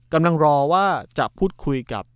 กำลังรอว่าจะพูดคุยกับ